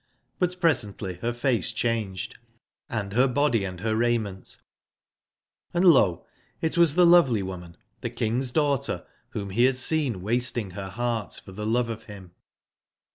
But presently her face changed, and her body and her raiment; and, lot it was the lovely wo man, the King's daughter whom he had seen wast ing her heart for the love of him.